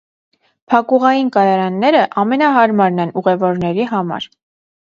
Փակուղային կայարանները ամենահարմարն են ուղևորների համար։